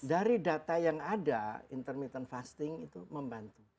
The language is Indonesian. dari data yang ada intermittent fasting itu membantu